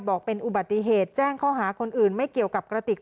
บอกเป็นอุบัติเหตุแจ้งข้อหาคนอื่นไม่เกี่ยวกับกระติก